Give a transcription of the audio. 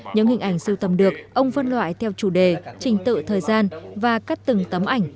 những hình ảnh siêu tầm được ông vân loại theo chủ đề trình tự thời gian và cắt từng tấm ảnh